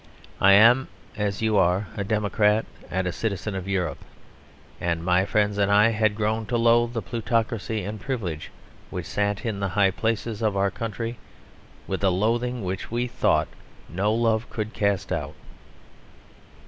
I am, as you are, a democrat and a citizen of Europe; and my friends and I had grown to loathe the plutocracy and privilege which sat in the high places of our country with a loathing which we thought no love could cast out.